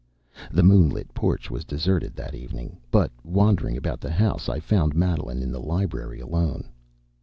The moonlit porch was deserted that evening, but wandering about the house I found Madeline in the library alone.